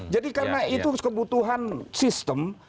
jadi karena itu kebutuhan sistem